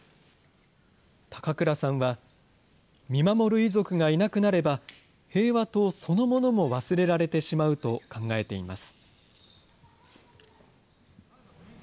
高倉さんは見守る遺族がいなくなれば、平和塔そのものも忘れられてしまうと考えています。